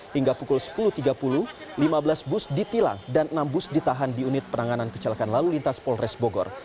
hingga pukul sepuluh tiga puluh lima belas bus ditilang dan enam bus ditahan di unit penanganan kecelakaan lalu lintas polres bogor